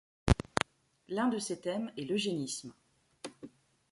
L'un de ses thèmes est l'eugénisme.